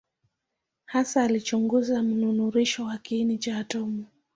Hasa alichunguza mnururisho wa kiini cha atomu.